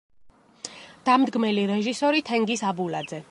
დამდგმელი რეჟისორი: თენგიზ აბულაძე.